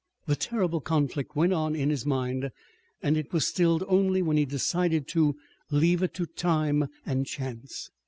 The terrible conflict went on in his mind, and it was stilled only when he decided to leave it to time and chance.